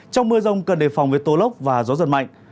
trong mưa rông cần đề phòng với tô lốc và gió giật mạnh